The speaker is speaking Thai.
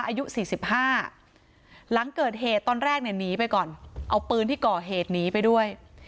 อายุ๔๕หลังเกิดเหตุตอนแรกเนี่ยหนีไปก่อนเอาปืนที่ก่อเหตุหนีไปด้วย